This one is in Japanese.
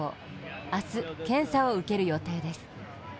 明日、検査を受ける予定です。